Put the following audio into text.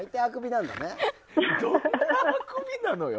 どんなあくびなのよ！